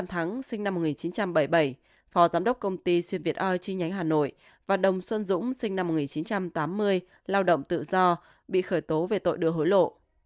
hoạt động xuân dũng sinh năm một nghìn chín trăm tám mươi lao động tự do bị khởi tố về tội đưa hối lộ